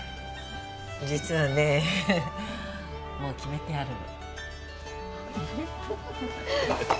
実はねもう決めてあるの。